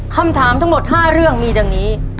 คำถามทั้งหมด๕เรื่องมีดังนี้